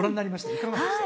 いかがでした？